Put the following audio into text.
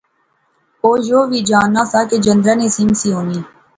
او یو وی جاننا سا کہ جندرے نی سم سی ہونی